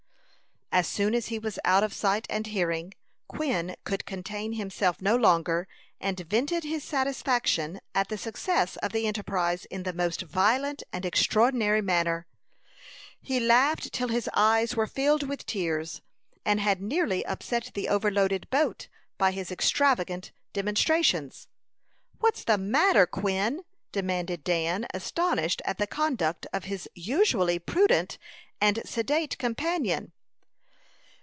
As soon as he was out of sight and hearing, Quin could contain himself no longer, and vented his satisfaction at the success of the enterprise in the most violent and extraordinary manner. He laughed till his eyes were filled with tears, and had nearly upset the overloaded boat by his extravagant demonstrations. "What's the matter, Quin?" demanded Dan, astonished at the conduct of his usually prudent and sedate companion.